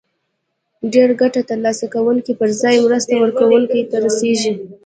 ډیره ګټه د تر لاسه کوونکو پر ځای مرستو ورکوونکو ته رسیږي.